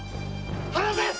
離せ！